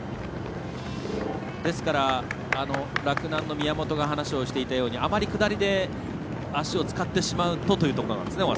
ですから洛南の宮本が話をしていたようにあまり下りで足を使ってしまうとというところなんですね。